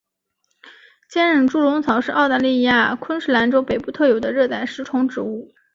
坚韧猪笼草是澳大利亚昆士兰州北部特有的热带食虫植物。